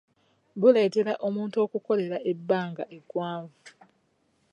Buleetera omuntu okukololera ebbanga eggwanvu.